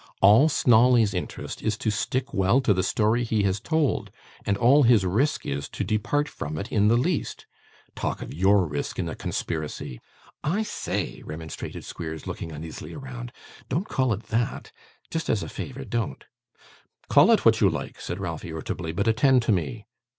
All Snawley's interest is to stick well to the story he has told; and all his risk is, to depart from it in the least. Talk of YOUR risk in the conspiracy!' 'I say,' remonstrated Squeers, looking uneasily round: 'don't call it that! Just as a favour, don't.' 'Call it what you like,' said Ralph, irritably, 'but attend to me.